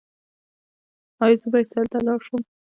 ایا زه باید سیل ته لاړ شم؟